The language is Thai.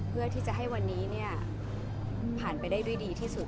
เพื่อที่จะให้วันนี้ผ่านไปได้ด้วยดีที่สุด